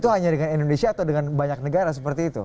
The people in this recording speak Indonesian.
itu hanya dengan indonesia atau dengan banyak negara seperti itu